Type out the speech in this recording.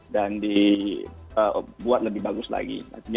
dan dibuat lebih bagus lagi